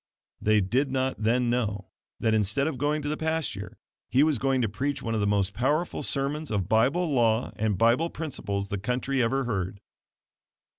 They did not then know that instead of going to the pasture he was going to preach one of the most powerful sermons of Bible law and Bible principles the country ever heard.